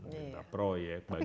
minta proyek bagian